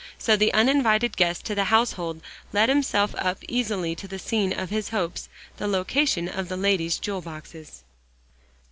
So the uninvited guest to the household let himself up easily to the scene of his hopes the location of the ladies' jewel boxes.